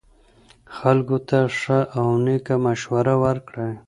خلکو ته ښه او نیکه مشوره ورکړئ.